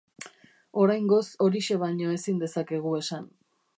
Oraingoz horixe baino ezin dezakegu esan.